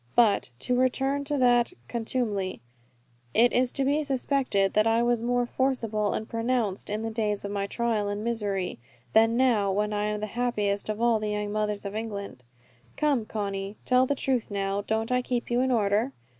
But, to return to that contumely is it to be suspected that I was more forcible and pronounced, in the days of my trial and misery, than now when I am the happiest of all the young mothers of England? "Come, Conny, tell the truth now, don't I keep you in order?"